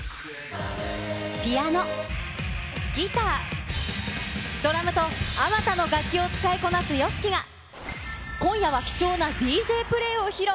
ピアノ、ギター、ドラムと、あまたの楽器を使いこなすＹＯＳＨＩＫＩが、今夜は貴重なＤＪプレイを披露。